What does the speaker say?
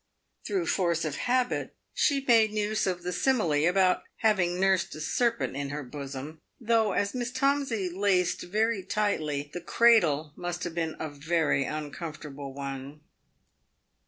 Through force of habit, she made use of the simile about having nursed a serpent in her bosom, though, as Miss Tomsey laced very tightly, the cradle must have been a very uncomfortable one.